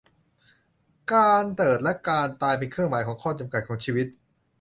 การเกิดและการตายเป็นเครื่องหมายของข้อจำกัดของชีวิต